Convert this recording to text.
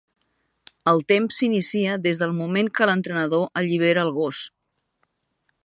El temps s'inicia des del moment que l'entrenador allibera el gos.